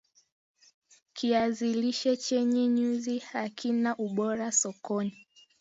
kiazi lishe chenye nyuzi hakina ubora sokoni